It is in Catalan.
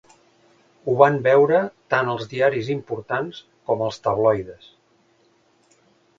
Ho van veure tant els diaris importants com els tabloides.